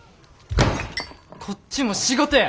こっちも仕事や！